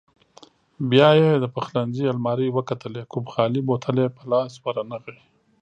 بیا یې د پخلنځي المارۍ وکتلې، کوم خالي بوتل یې په لاس ورنغی.